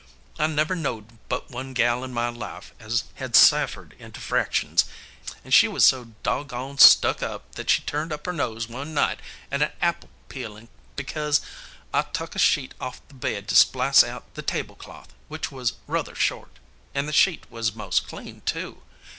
I never knowed but one gal in my life as had ciphered into fractions, and she was so dog on stuck up that she turned up her nose one night at a apple peelin' bekase I tuck a sheet off the bed to splice out the tablecloth, which was ruther short. And the sheet was mos' clean too.